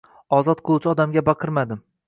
Ozod qiluvchi odamga baqirmadim.